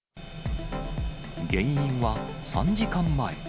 原因は、３時間前。